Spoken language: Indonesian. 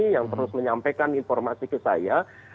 yang terus menyampaikan informasi ke saya